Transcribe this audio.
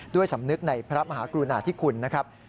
ด้วยสำนึกในพระมหากรุณาที่ขุนนะครับ